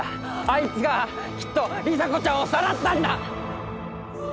あいつがきっと里紗子ちゃんをさらったんだ！